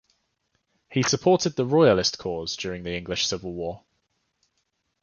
He supported the Royalist cause during the English Civil War.